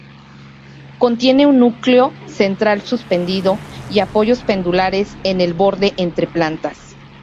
Contiene un núcleo central suspendido y apoyos pendulares en el borde entre plantas.